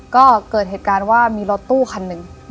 ก็เกิดเหตุการณ์ว่ามีรถตู้คันหนึ่ง